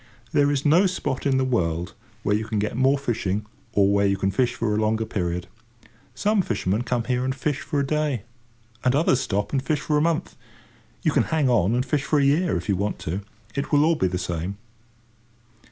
There is no spot in the world where you can get more fishing, or where you can fish for a longer period. Some fishermen come here and fish for a day, and others stop and fish for a month. You can hang on and fish for a year, if you want to: it will be all the same.